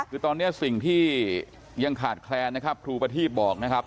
คือตอนนี้สิ่งที่ยังขาดแคลนนะครับครูประทีบบอกนะครับ